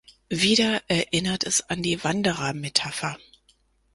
Wieder erinnert es an die Wanderer-Metapher.